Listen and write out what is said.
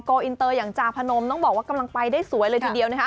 อินเตอร์อย่างจาพนมต้องบอกว่ากำลังไปได้สวยเลยทีเดียวนะคะ